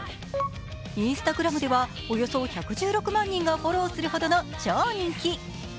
Ｉｎｓｔａｇｒａｍではおよそ１１６万人がフォローするほどの超人気。